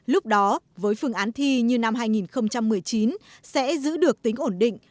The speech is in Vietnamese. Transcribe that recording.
lúc đó với phương án thi như năm hai nghìn một mươi chín sẽ giữ được tính ổn định